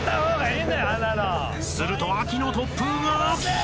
［すると秋の突風が！］